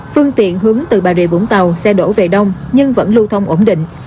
phương tiện hướng từ bà rịa vũng tàu xe đổ về đông nhưng vẫn lưu thông ổn định